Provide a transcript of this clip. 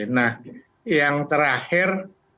nah yang terakhir